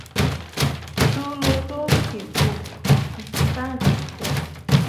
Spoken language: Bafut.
Tsùu ló too ŋkì ɨ kwo a aghəŋə̀.